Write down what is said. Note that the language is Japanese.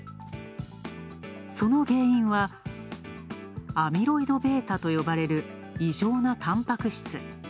その原因は、アミロイドベータと呼ばれる異常なたんぱく質。